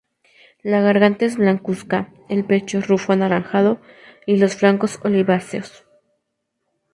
La garganta es blancuzca, el pecho es rufo anaranjado y los flancos oliváceos.